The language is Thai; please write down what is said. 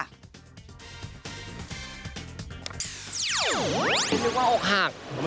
นึกว่าอกหัก